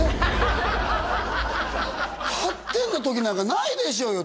８点の時なんかないでしょうよ